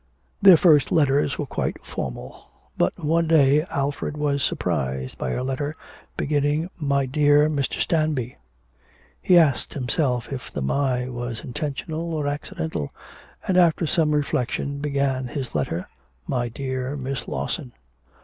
Their first letters were quite formal. But one day Alfred was surprised by a letter beginning My dear Mr. Stanby. He asked himself if the my was intentional or accidental, and, after some reflection, began his letter 'My dear Miss Lawson.'